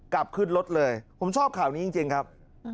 กลับขึ้นรถเลยผมชอบข่าวนี้จริงครับ